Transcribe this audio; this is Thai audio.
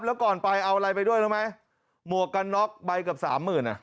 แล้วก่อนไปเอาอะไรไปด้วยรู้ไหมหมวกกันน็อกใบเกือบสามหมื่นอ่ะ